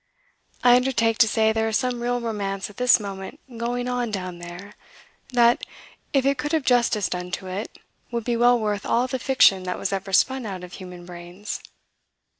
'I undertake to say there is some real romance at this moment going on down there, that, if it could have justice done to it, would be well worth all the fiction that was ever spun out of human brains.